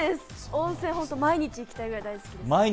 温泉は本当に毎日行きたいくらい大好きです。